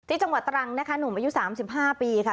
จังหวัดตรังนะคะหนุ่มอายุ๓๕ปีค่ะ